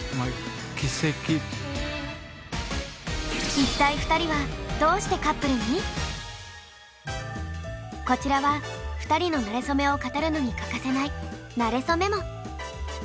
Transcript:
一体２人はこちらは２人のなれそめを語るのに欠かせない「なれそメモ」。